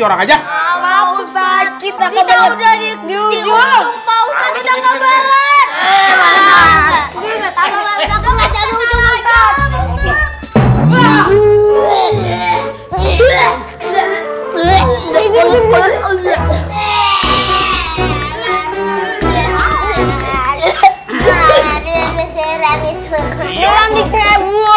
orang aja kita udah di ujung pausah kita gak banget